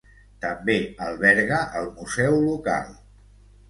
També alberga el museu local.